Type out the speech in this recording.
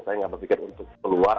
saya tidak berpikir untuk keluar